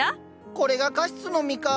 これがカシスの実かあ。